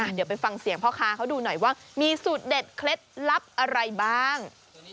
เดี๋ยวไปฟังเสียงพ่อค้าเขาดูหน่อยว่ามีสูตรเด็ดเคล็ดลับอะไรบ้าง